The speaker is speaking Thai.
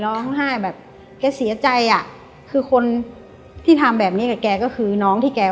ร้องไห้แบบแกเสียใจอ่ะคือคนที่ทำแบบนี้กับแกก็คือน้องที่แก